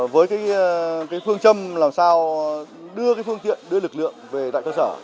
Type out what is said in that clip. với cái phương châm làm sao đưa cái phương tiện đưa lực lượng về tại cơ sở